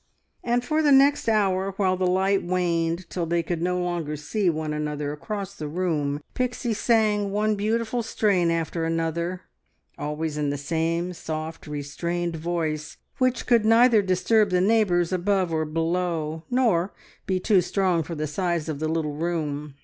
'" And for the next hour, while the light waned till they could no longer see one another across the room, Pixie sang one beautiful strain after another, always in the same soft, restrained voice, which could neither disturb the neighbours above or below, nor be too strong for the size of the little room.